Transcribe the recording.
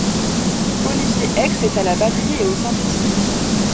Oliver Hecks est à la batterie et au synthétiseur.